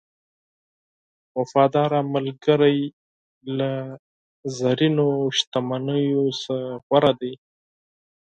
وفادار ملګری له زرینو شتمنیو نه غوره دی.